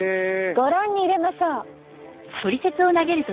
ご覧に入れましょう。